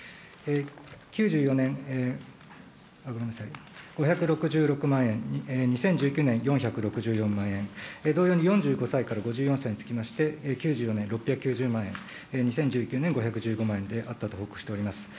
９４年、５６６万円、２０１９年、４６４万円、同様に４５歳から５４歳につきまして、９４年、６９０万円、２０１９年、５１９万円であったと記憶しております。